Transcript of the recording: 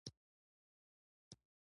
په میلمنو کې نه لیدل کېږي.